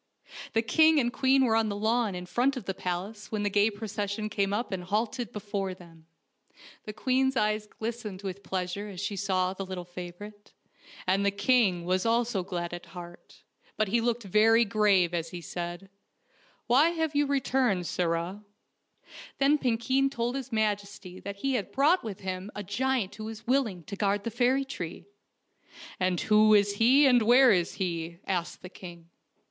The king and queen were on the lawn in front of the palace when the gay procession came up and halted before them. The queen's eyes glistened THE FAIRY TREE OF DOOROS 111 with pleasure when she saw the little favorite, and the king was also glad at heart, but he looked very grave as he said : "Why have you returned, sirrah?" Then Piiikeen told his majesty that he had brought with him a giant who was willing to guard the fairy tree. "And who is he and where is he? " asked the king.